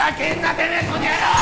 てめえこの野郎！